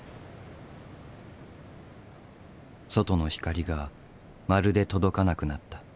外の光がまるで届かなくなった。